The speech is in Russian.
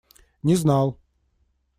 Не знал.